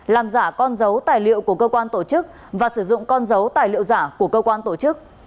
làm giả con dấu tài liệu của cơ quan tổ chức và sử dụng con dấu tài liệu giả của cơ quan tổ chức